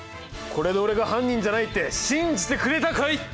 これで俺が犯人じゃないって信じてくれたかい？